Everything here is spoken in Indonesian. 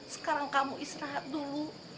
sekarang kamu istirahat dulu